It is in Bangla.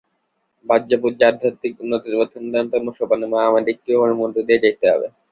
বাহ্যপূজা আধ্যাত্মিক উন্নতির পথে অন্যতম সোপান এবং আমাদিগকে উহার মধ্য দিয়াই যাইতে হইবে।